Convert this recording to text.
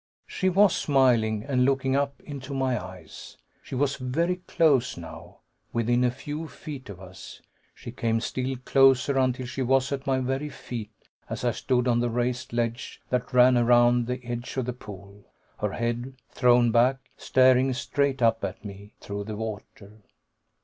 She was smiling, and looking up into my eyes. She was very close now, within a few feet of us. She came still closer, until she was at my very feet as I stood on the raised ledge that ran around the edge of the pool, her head thrown back, staring straight up at me through the water.